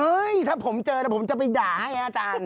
ถ้าผมเจอนะผมจะไปด่าให้อาจารย์